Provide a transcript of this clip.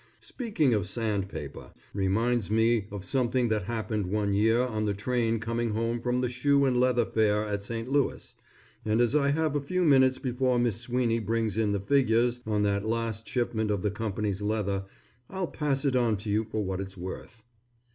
Speaking of sand paper, reminds me of something that happened one year on the train coming home from the Shoe and Leather Fair at St. Louis, and as I have a few minutes before Miss Sweeney brings in the figures on that last shipment of the Company's leather, I'll pass it on to you for what it's worth.